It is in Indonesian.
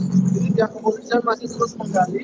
jadi pihak kepolisian masih terus menggali